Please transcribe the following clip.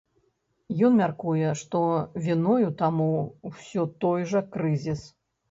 Ён мяркуе, што віною таму ўсё той жа крызіс.